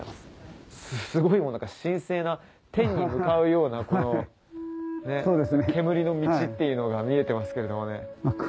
すごい神聖な天に向かうような煙の道っていうのが見えてますけれどもね。